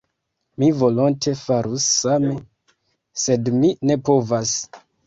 Mi volonte farus same, sed mi ne povas.